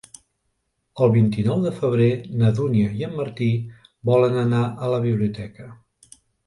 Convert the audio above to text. El vint-i-nou de febrer na Dúnia i en Martí volen anar a la biblioteca.